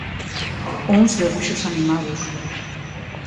Uns debuxos animados.